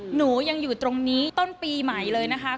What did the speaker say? หนูยังอยู่ตรงนี้ต้นปีใหม่เลยนะคะ